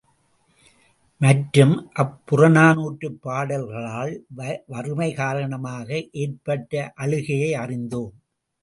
மற்றும் அப்புறநானூற்றுப் பாடல்களால் வறுமை காரணமாக ஏற்பட்ட அழுகையை அறிந்தோம்.